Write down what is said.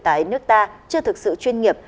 tại nước ta chưa thực sự chuyên nghiệp